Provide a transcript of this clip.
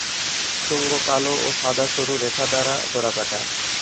শুঙ্গ কালো ও সাদা সরু রেখা দ্বারা ডোরাকাটা।